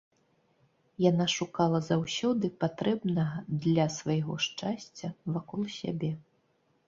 Яна шукала заўсёды патрэбнага для свайго шчасця вакол сябе.